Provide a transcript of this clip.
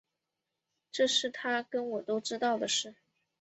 这是他跟我都知道的事